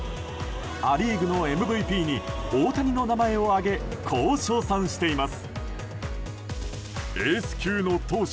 ア・リーグのＭＶＰに大谷の名前を挙げこう称賛しています。